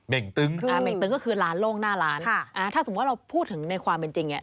เม่งตึงคือร้านโล่งหน้าร้านถ้าสมมุติว่าเราพูดถึงในความเป็นจริงเนี่ย